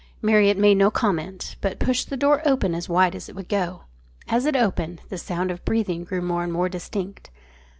Marriott made no comment, but pushed the door open as wide as it would go. As it opened, the sound of breathing grew more and more distinct.